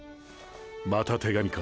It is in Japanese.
また手紙か。